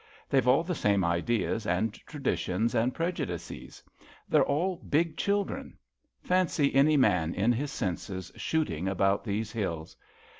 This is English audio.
They've all the same ideas and traditions and prejudices. They're all big children. Fancy any man in his senses shooting about these hills."